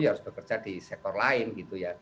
harus bekerja di sektor lain gitu ya